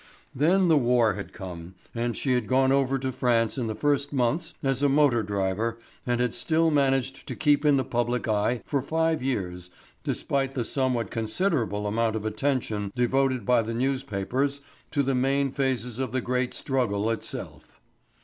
Then the war had come and she had gone over to France in the first months as a motor driver and had still managed to keep in the public eye for five years despite the somewhat considerable amount of attention devoted by the newspapers to the main phases of the great struggle itself.